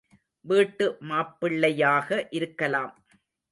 வீட்டு மாப்பிள்ளையாக இருக்கலாம்.